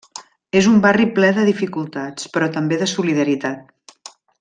És un barri ple de dificultats però també de solidaritat.